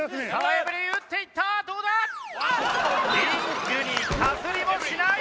リングにかすりもしない。